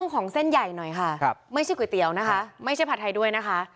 ของเส้นใหญ่หน่อยค่ะไม่ใช่ก๋วยเตี๋ยวนะคะไม่ใช่ผัดไทยด้วยนะคะ